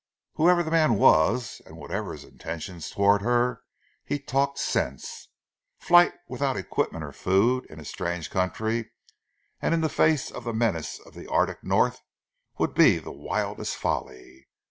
Whoever the man was, and whatever his intentions towards her, he talked sense. Flight without equipment or food, in a strange country, and in face of the menace of the arctic North would be the wildest folly.